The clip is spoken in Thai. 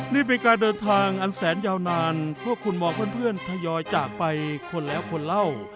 นี่เป็นการเดินทางอันแสนยาวนานพวกคุณมองเพื่อนทยอยจากไปคนแล้วคนเล่า